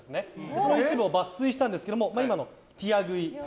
その一部を抜粋したんですが今のティア喰い。